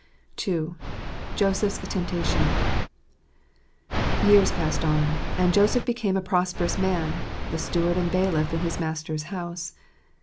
II. Joseph's Temptation. — Years passed on, and Joseph became a prosperous man, the steward and bailiff in his master's house.